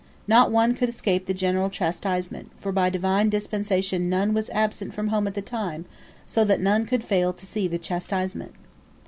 Not one could escape the general chastisement, for by Divine dispensation none was absent from home at the time, so that none could fail to see the chastisement.